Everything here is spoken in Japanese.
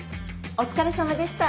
お疲れさまでした。